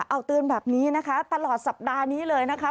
เอาเตือนแบบนี้นะคะตลอดสัปดาห์นี้เลยนะคะ